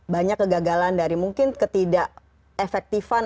banyak kegagalan dari mungkin ketidak efektifan